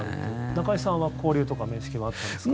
中居さんは交流とか面識はあったんですか？